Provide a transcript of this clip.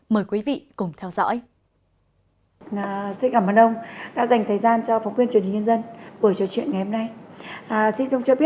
mời quý vị cùng theo dõi